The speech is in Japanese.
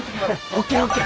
ＯＫＯＫ！